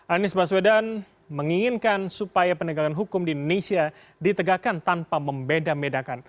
anies baswedan menginginkan supaya penegakan hukum di indonesia ditegakkan tanpa membeda bedakan